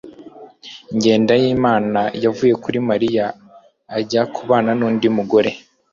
Jyendayimana yavuye kuri Mariya ajya kubana nundi mugore